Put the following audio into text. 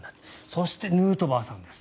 そして、ヌートバーさんです。